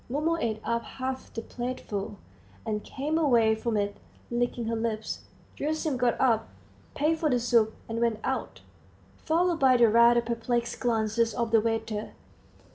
Mumu ate up half the plateful, and came away from it, licking her lips. Gerasim got up, paid for the soup, and went out, followed by the rather perplexed glances of the waiter.